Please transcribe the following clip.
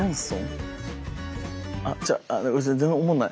あっちゃう全然おもんない。